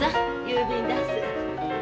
郵便だす。